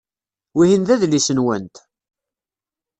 Wihin d adlis-nwent?